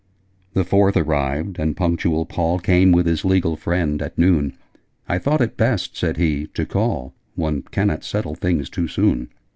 The Fourth arrived, and punctual Paul Came, with his legal friend, at noon. 'I thought it best,' said he, 'to call: One cannot settle things too soon.'